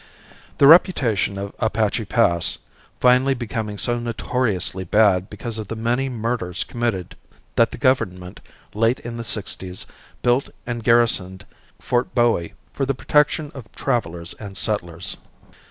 The reputation of Apache Pass, finally became so notoriously bad because of the many murders committed that the Government, late in the sixties, built and garrisoned Ft. Bowie for the protection of travelers and settlers.